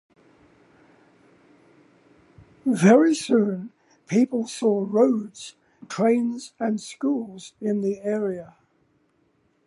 Very soon people saw roads, trains and schools in the area.